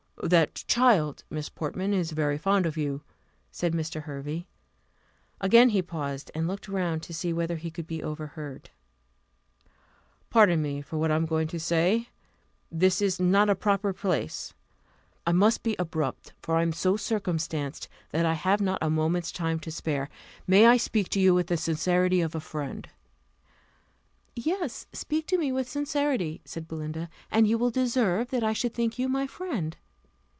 "That child, Miss Portman, is very fond of you," said Mr. Hervey. Again he paused, and looked round to see whether he could be overheard. "Pardon me for what I am going to say. This is not a proper place. I must be abrupt; for I am so circumstanced, that I have not a moment's time to spare. May I speak to you with the sincerity of a friend?" "Yes. Speak to me with sincerity," said Belinda, "and you will deserve that I should think you my friend."